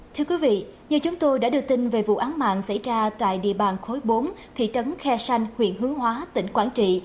thưa quý vị như chúng tôi đã đưa tin về vụ án mạng xảy ra tại địa bàn khối bốn thị trấn khe xanh huyện hướng hóa tỉnh quảng trị